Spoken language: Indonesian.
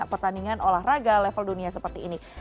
pertandingan olahraga level dunia seperti ini